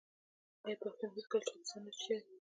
آیا پښتون هیڅکله چا ته سر نه ټیټوي؟